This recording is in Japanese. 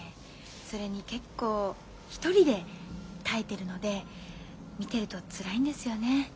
それに結構一人で耐えてるので見てるとつらいんですよね。